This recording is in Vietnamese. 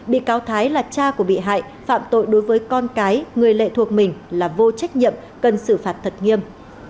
bị cáo thái là cha của bị hại phạm tội đối với con cái người lệ thuộc mình là vô trách nhiệm cần xử phạt thật nghiêm